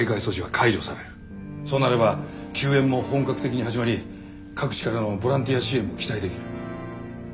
そうなれば救援も本格的に始まり各地からのボランティア支援も期待できる。